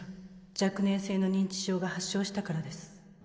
若年性の認知症が発症したからです